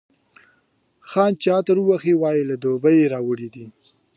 خان چي عطر ووهي، وايي له دوبۍ یې راوړی دی.